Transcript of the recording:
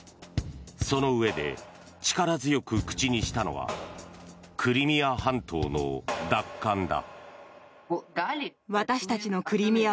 そのうえで、力強く口にしたのはクリミア半島の奪還だ。